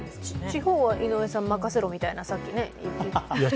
地方は井上さん、任せろみたいなさっき言っていましたね。